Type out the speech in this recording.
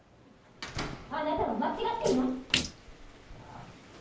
あなたは間ちがっています！